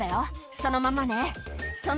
そのままね。